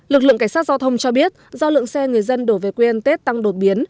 lực lượng cảnh sát giao thông cho biết do lượng xe người dân đổ về quê ăn tết tăng đột biến